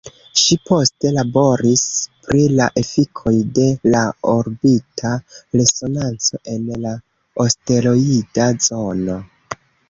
Ŝi poste laboris pri la efikoj de la orbita resonanco en la asteroida zono.